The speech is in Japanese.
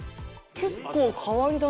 結構変わり種。